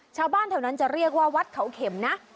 ชาวบ้านแถวนั้นจะเรียกว่าวัดเขาเข็มนะ